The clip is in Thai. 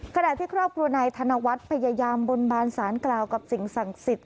ขณะที่ครอบครัวนายธนวัฒน์พยายามบนบานสารกล่าวกับสิ่งศักดิ์สิทธิ